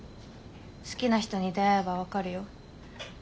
「好きな人に出会えば分かるよ」